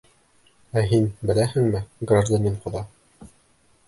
Ә һин, беләһеңме, гражданин ҡоҙа?